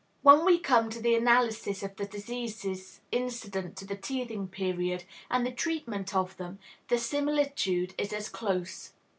When we come to the analysis of the diseases incident to the teething period, and the treatment of them, the similitude is as close.